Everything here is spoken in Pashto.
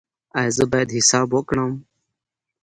ایا زه باید حساب وکړم؟